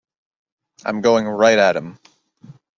I'm going right at him.